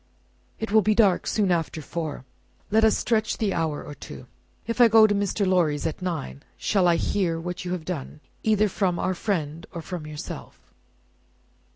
"It will be dark soon after four. Let us stretch the hour or two. If I go to Mr. Lorry's at nine, shall I hear what you have done, either from our friend or from yourself?"